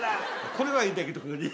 これはいたけどここに。